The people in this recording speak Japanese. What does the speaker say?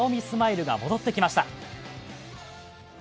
スマイルが戻ってきました。